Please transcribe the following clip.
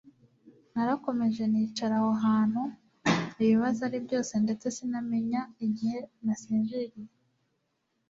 narakomeje nicara aho hantu, ibibazo ari byose ndetse sinamenya igihe nasinziriye